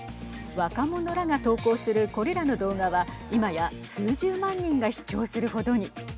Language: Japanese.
若者らが投稿するこれらの動画は今や数十万人が視聴する程に。